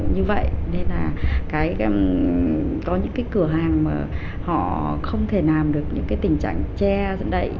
như vậy nên là có những cái cửa hàng mà họ không thể làm được những cái tình trạng che dẫn đậy